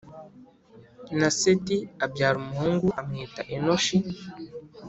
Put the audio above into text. Na Seti abyara umuhungu amwita Enoshi